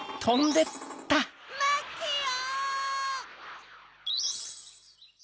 まってよ！